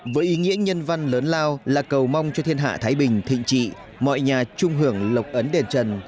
với ý nghĩa nhân văn lớn lao là cầu mong cho thiên hạ thái bình thịnh trị mọi nhà trung hưởng lộc ấn đền trần